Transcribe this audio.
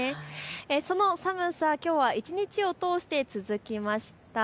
その寒さ一日を通して続きました。